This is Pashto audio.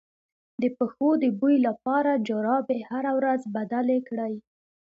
د پښو د بوی لپاره جرابې هره ورځ بدلې کړئ